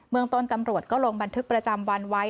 เมืองต้นตำรวจก็ลงบันทึกประจำวันไว้